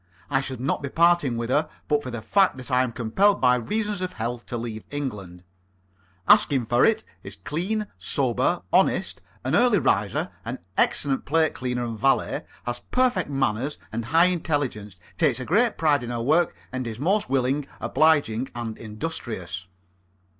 I should not be parting with her but for the fact that I am compelled by reasons of health to leave England. Askinforit is clean, sober, honest, an early riser, an excellent plate cleaner and valet, has perfect manners and high intelligence, takes a great pride in her work, and is most willing, obliging and industrious.